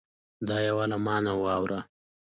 دا یوه له ما نه واوره